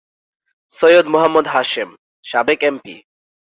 সৈয়দ মোহাম্মদ হাসেম, সাবেক এমপি।